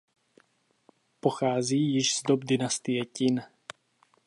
Pochází již z dob dynastie Ťin.